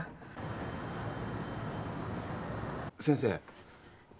先生。